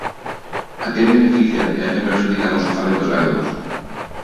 A quen benefician e a quen prexudican os orzamentos galegos?